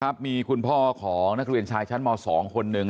ครับมีคุณพ่อของนักเรียนชายชั้นม๒คนหนึ่ง